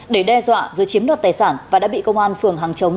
để đe dọa dưới chiếm đoạt tài sản và đã bị công an phường hàng chống